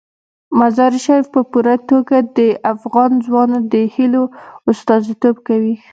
مزارشریف په پوره توګه د افغان ځوانانو د هیلو استازیتوب کوي.